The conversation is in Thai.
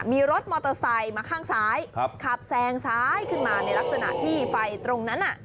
มีรถมอเตอร์ไซค์มาข้างซ้ายขับแซงซ้ายขึ้นมาในลักษณะที่ไฟตรงนั้น